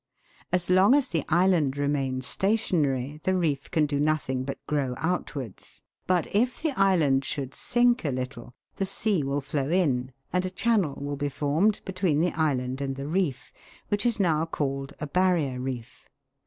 As long as the island remains stationary, the reef can do nothing but grow outwards, but if the island should sink a little, the sea will flow in and a channel will be formed between the island and the reef, which is now called a barrier reef.